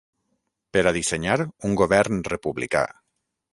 Per a dissenyar un govern republicà.